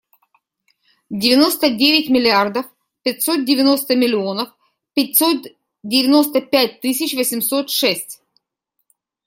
Девяносто девять миллиардов пятьсот девяносто миллионов пятьсот девяносто пять тысяч восемьсот шесть.